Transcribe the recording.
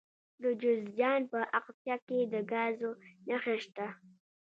د جوزجان په اقچه کې د ګازو نښې شته.